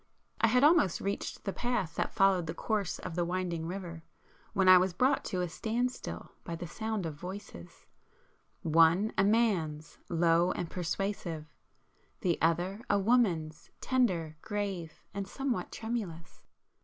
I had almost reached the path that followed the course of the winding water, when I was brought to a standstill by the sound of voices—one, a man's, low and persuasive,—the other a woman's, tender, grave and somewhat tremulous.